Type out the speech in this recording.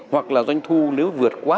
hoặc là danh thu nếu vượt quá